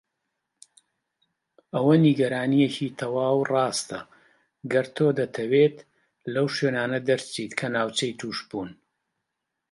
ئەوە نیگەرانیەکی تەواو ڕاستەگەر تۆ ئەتهەویت لەو شوێنانە دەرچیت کە ناوچەی توشبوون.